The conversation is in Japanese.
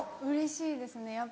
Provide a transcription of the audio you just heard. うれしいですね。